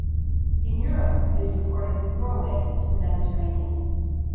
In Europe it is recorded from Norway to the Mediterranean.